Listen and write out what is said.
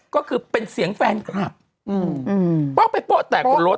ก็คือเป็นเสียงแฟนครับป๊อกไปป๊อกแตกรถ